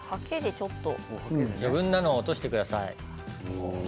余分なのを落としてください。